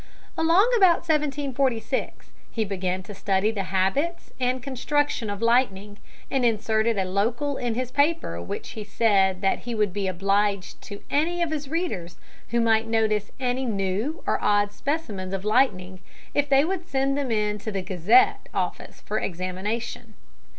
Along about 1746 he began to study the habits and construction of lightning, and inserted a local in his paper in which he said that he would be obliged to any of his readers who might notice any new or odd specimens of lightning, if they would send them in to the Gazette office for examination.